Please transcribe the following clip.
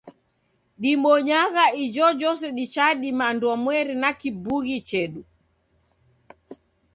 Dibonyagha ijojose dichadima anduamweri na kibughi chedu.